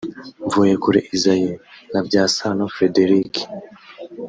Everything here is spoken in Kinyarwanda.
Mvuyekure Isaie na Byasano Frederic